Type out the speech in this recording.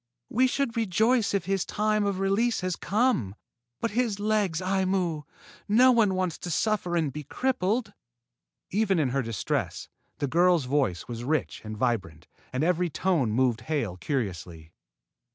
We should rejoice if his time of release had come. But his legs, Aimu! No one wants to suffer and be crippled." Even in her distress, the girl's voice was rich and vibrant, and every tone moved Hale curiously.